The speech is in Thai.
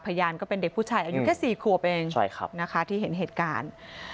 พยานก็เป็นเด็กผู้ชายอายุแค่๔ขวบเองนะคะที่เห็นเหตุการณ์